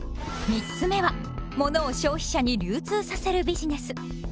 ３つ目はものを消費者に流通させるビジネス。